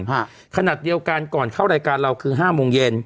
ฮะขนาดเดียวกันก่อนเข้ารายการเราคือห้าโมงเย็น